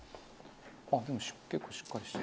あっでも結構しっかりしてる。